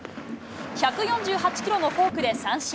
１４８キロのフォークで三振。